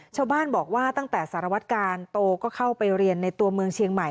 ชาวบ้านบอกว่าตั้งแต่สารวัตกาลโตก็เข้าไปเรียนในตัวเมืองเชียงใหม่